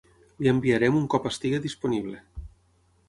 Li enviarem un cop estigui disponible.